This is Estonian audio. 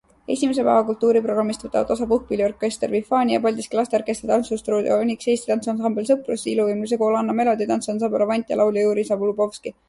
Esimese päeva kultuuriprogrammist võtavad osa puhkpilliorkester Vifania, Paldiski lasteorkester, tantsustuudio Oniks, eesti tantsuansambel Sõprus, iluvõimlemise kool Anna Melodi, tantsuansambel Avant ja laulja Juri Zaljubovski.